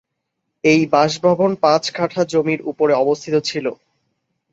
এই বাসভবন পাঁচ কাঠা জমির উপরে অবস্থিত ছিল।